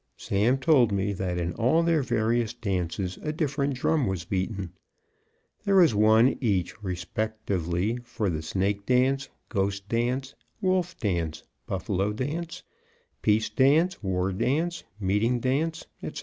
Sam told me that in all their various dances a different drum was beaten there was one each respectively for the snake dance, ghost dance, wolf dance, buffalo dance, peace dance, war dance, meeting dance, etc.